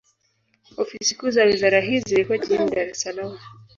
Ofisi kuu za wizara hii zilikuwa jijini Dar es Salaam.